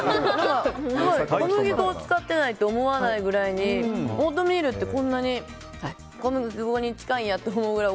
小麦粉を使ってないと思わないくらいにオートミールってこんなに小麦粉に近いんやって思うぐらい